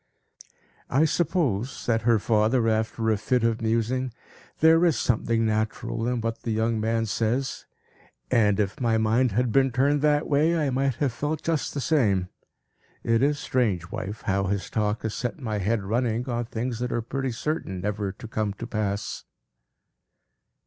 "I suppose," said her father, after a fit of musing, "there is something natural in what the young man says; and if my mind had been turned that way, I might have felt just the same. It is strange, wife, how his talk has set my head running on things that are pretty certain never to come to pass."